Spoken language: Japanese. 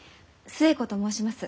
寿恵子と申します。